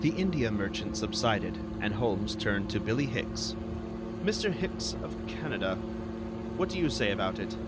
The India merchant subsided, and Holmes turned to Billie Hicks. "Mr. Hicks of Canada, what do you say about it?"